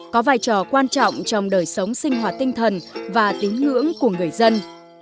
có vai trò quan trọng trong đời sống sinh hoạt tinh thần và tín ngưỡng của người dân